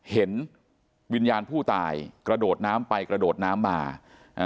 เห็นวิญญาณผู้ตายกระโดดน้ำไปกระโดดน้ำมาอ่า